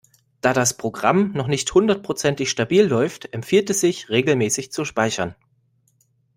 Da das Programm noch nicht hundertprozentig stabil läuft, empfiehlt es sich, regelmäßig zu speichern.